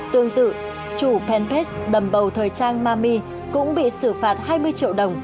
tương tự chủ fanpage đầm bầu thời trang mami cũng bị xử phạt hai mươi triệu đồng